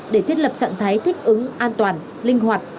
để thiết lập trạng thái thích ứng an toàn linh hoạt